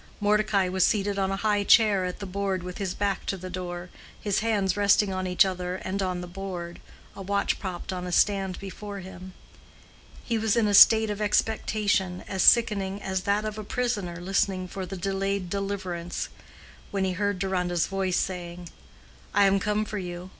Mordecai was seated on a high chair at the board with his back to the door, his hands resting on each other and on the board, a watch propped on a stand before him. He was in a state of expectation as sickening as that of a prisoner listening for the delayed deliverance—when he heard Deronda's voice saying, "I am come for you.